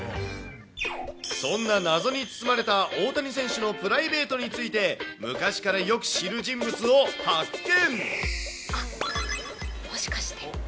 そんな謎に包まれた大谷選手のプライベートについて、昔からよくあっ、もしかして。